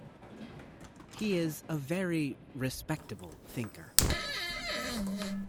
He is a very respectable thinker.